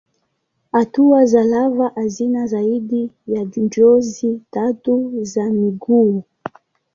Hatua za lava hazina zaidi ya jozi tatu za miguu.